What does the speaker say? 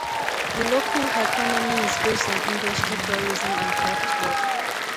The local economy is based on industry, tourism and craft-work.